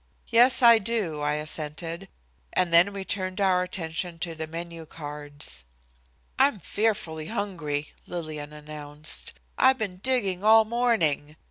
"Yes, I do," I assented, and then we turned our attention to the menu cards. "I'm fearfully hungry," Lillian announced. "I've been digging all morning.